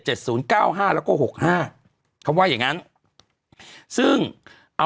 เป็นการกระตุ้นการไหลเวียนของเลือด